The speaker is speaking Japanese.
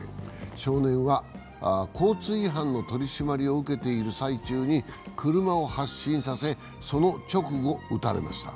少年は交通違反の取り締まりを受けている最中に車を発進させ、その直後撃たれました。